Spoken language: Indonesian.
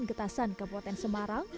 getasan kebuatan semarang